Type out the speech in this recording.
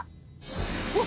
おっ！